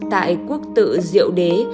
tại quốc tự diệu đế